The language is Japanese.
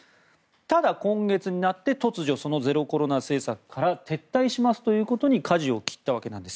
ただ、今月になって突如、そのゼロコロナ政策から撤退しますということにかじを切ったわけなんです。